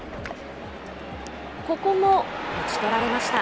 ここも打ち取られました。